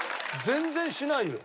全然しないよ。